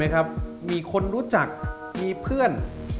มีคนรู้จักมีเพื่อน